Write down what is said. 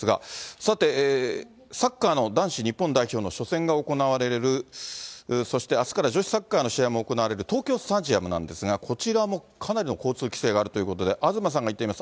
さてサッカーの男子日本代表の初戦が行われる、そしてあすから女子サッカーの試合も行われる東京スタジアムなんですが、こちらもかなりの交通規制があるということで、東さんが行っています。